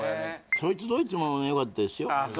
そいつどいつもよかったですよああ